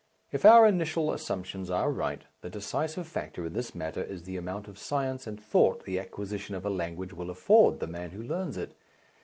If our initial assumptions are right, the decisive factor in this matter is the amount of science and thought the acquisition of a language will afford the man who learns it.